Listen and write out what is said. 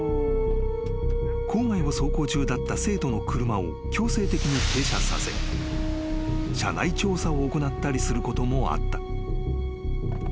［校外を走行中だった生徒の車を強制的に停車させ車内調査を行ったりすることもあった］